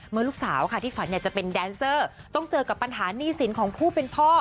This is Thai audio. เมื่อลูกสาวค่ะที่ฝันอยากจะเป็นแดนเซอร์ต้องเจอกับปัญหาหนี้สินของผู้เป็นพ่อ